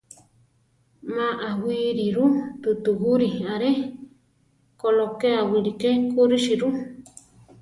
Má awíriru tutugurí aré; kolokéa wiliké kúrusi ru.